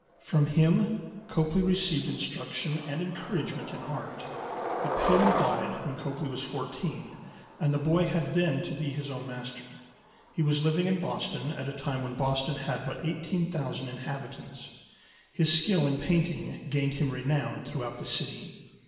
From him Copley received instruction and encouragement in art. But Pelham died when Copley was fourteen, and the boy had then to be his own master. He was living in Boston at a time when Boston had but 18,000 inhabitants. His skill in painting gained him renown through out the city.